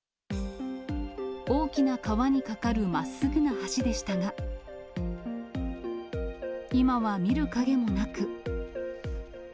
大きな川に架かるまっすぐな橋でしたが、今は見る影もなく。